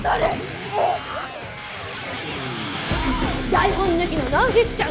台本抜きのノンフィクション！